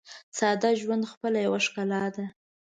ساده ژوند خپله یوه ښکلا ده.